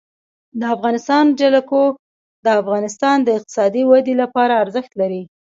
د افغانستان جلکو د افغانستان د اقتصادي ودې لپاره ارزښت لري.